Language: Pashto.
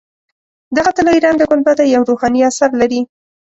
دغه طلایي رنګه ګنبده یو روحاني اثر لري.